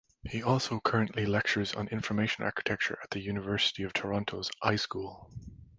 He also currently lectures on Information Architecture at the University of Toronto's iSchool.